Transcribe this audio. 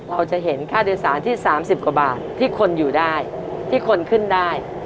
เราจะเห็นค่าโดยสารที่๓๐กว่าบาทที่คนอยู่ได้ที่คนขึ้นได้